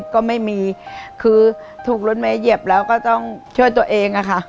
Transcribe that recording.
ก็ไม่มีคือถูกรถเมย์เหยียบแล้วก็ต้องช่วยตัวเองอะค่ะ